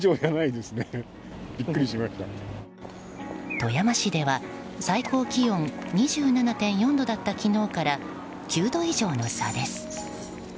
富山市では最高気温２７．４度だった昨日から９度以上の差です。